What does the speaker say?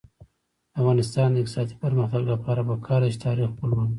د افغانستان د اقتصادي پرمختګ لپاره پکار ده چې تاریخ ولولو.